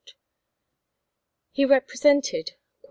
He represented war.